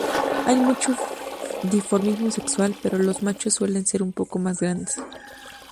No hay mucho dimorfismo sexual, pero los machos suelen ser un poco más grandes.